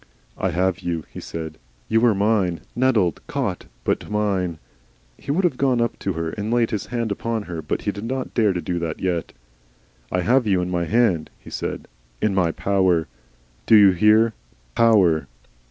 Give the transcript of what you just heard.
"I HAVE you,", he said. "You are mine. Netted caught. But mine." He would have gone up to her and laid his hand upon her, but he did not dare to do that yet. "I have you in my hand," he said, "in my power. Do you hear POWER!"